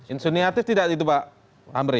insuniatif tidak itu pak amri